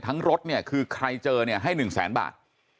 ทั้งรถเนี่ยคือใครเจอเนี่ยให้หนึ่งแสนบาท